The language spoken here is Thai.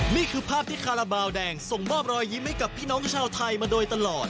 นี่คือภาพที่คาราบาลแดงส่งมอบรอยยิ้มให้กับพี่น้องชาวไทยมาโดยตลอด